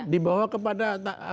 dibawa kepada apa